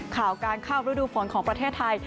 ข่าวการเข้าฤดูฝนของประเทศไทย